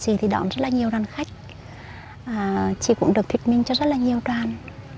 chị thì đón rất là nhiều đoàn khách chị cũng được thuyết minh cho rất là nhiều đoàn